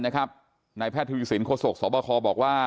นายแพทย์ทวีสินโศกสบคบอกว่า